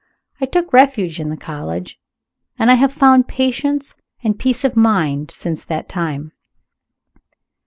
I took refuge in the College, and I have found patience and peace of mind since that time.